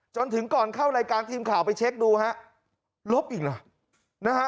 จนถึงก่อนเข้ารายการทีมข่าวไปเช็คดูฮะลบอีกเหรอนะฮะ